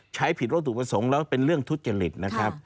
ผิดวัตถุประสงค์แล้วเป็นเรื่องทุจริตนะครับ